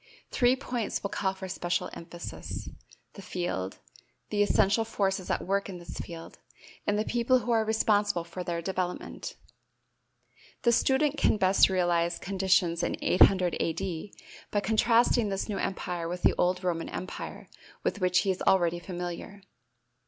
Three points will call for special emphasis: the field, the essential forces at work in this field, and the people who are responsible for their development. The student can best realize conditions in 800 A.D. by contrasting this new empire with the old Roman empire with which he is already familiar.